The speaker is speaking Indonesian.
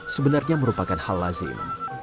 sebenarnya merupakan hal lazim